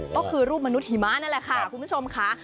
ก็คือรูปมนุษยหิมะนั่นแหละค่ะคุณผู้ชมค่ะ